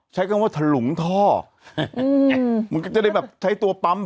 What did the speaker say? ใช้คำว่าถลุงท่อมันก็จะได้แบบใช้ตัวปั๊ม